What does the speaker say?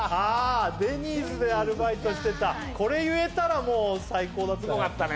デニーズでアルバイトしてたこれ言えたらもう最高だったね。